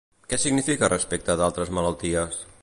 Què significa respecte d'altres malalties?